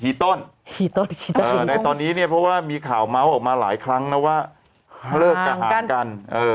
ฮีต้นในตอนนี้เนี่ยเพราะว่ามีข่าวเม้าส์ออกมาหลายครั้งแล้วว่าเลิกกระหากัน